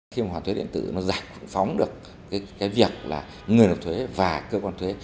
khi mà hoàn thuế điện tử nó giải phóng được cái việc là người nộp thuế và cơ quan thuế